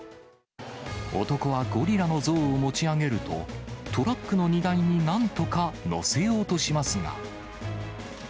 男はゴリラの像を持ち上げると、トラックの荷台になんとか載せようとしますが。